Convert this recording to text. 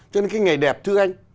cho nên cái ngày đẹp thưa anh